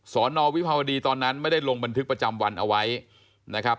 สอนอวิภาวดีตอนนั้นไม่ได้ลงบันทึกประจำวันเอาไว้นะครับ